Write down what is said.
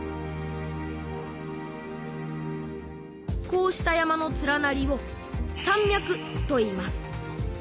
こうした山の連なりを山脈といいます